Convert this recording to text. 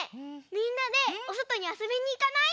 みんなでおそとにあそびにいかない？